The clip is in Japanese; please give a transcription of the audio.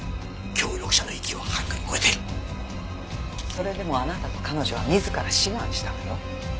それでもあなたと彼女は自ら志願したのよ。